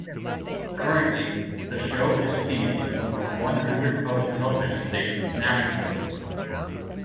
Currently, the show is seen in over one hundred public television stations nationally.